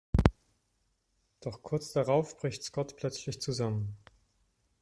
Doch kurz darauf bricht Scott plötzlich zusammen.